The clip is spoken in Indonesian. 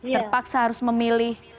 terpaksa harus memilih